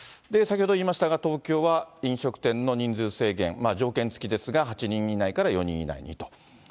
先ほど言いましたが、東京は飲食店の人数制限、条件付きですが８人以内から４人以内にと。